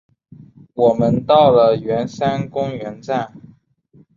我们到了圆山公园站